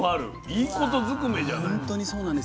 いいことずくめじゃない。